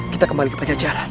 kita kembali ke pajajaran